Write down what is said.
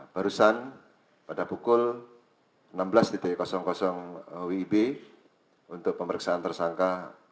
barusan pada pukul enam belas wib untuk pemeriksaan tersangka